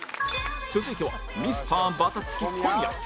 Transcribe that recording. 続いてはミスターバタつき小宮